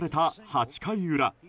８回裏。